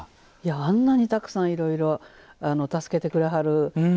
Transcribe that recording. あんなにたくさんいろいろ助けてくれはる